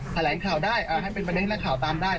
แถลงข่าวได้ให้เป็นประเด็นให้นักข่าวตามได้